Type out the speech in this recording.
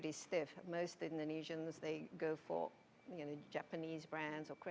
kebanyakan orang indonesia mereka memilih brand jepun atau korea